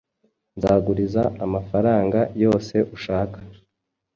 Nzaguriza amafaranga yose ushaka.